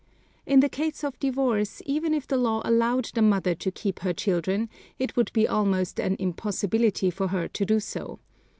In the case of divorce, even if the law allowed the mother to keep her children, it would be almost an impossibility for her to do so.